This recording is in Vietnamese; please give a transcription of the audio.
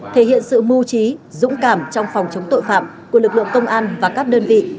thể hiện sự mưu trí dũng cảm trong phòng chống tội phạm của lực lượng công an và các đơn vị